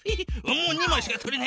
もう２まいしかとれない。